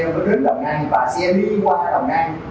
nó đến đồng nai và xe đi qua đồng nai